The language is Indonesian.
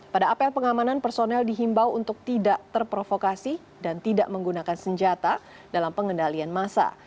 pada apel pengamanan personel dihimbau untuk tidak terprovokasi dan tidak menggunakan senjata dalam pengendalian massa